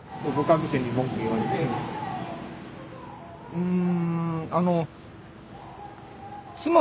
うん。